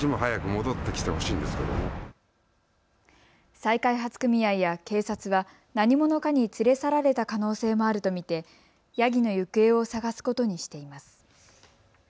再開発組合や警察は何者かに連れ去られた可能性もあると見てヤギの行方を探すことにしています。